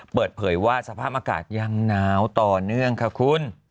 เปิดเผยว่าสภาพอากาศยังหนาวต่อเนื่องค่ะคุณ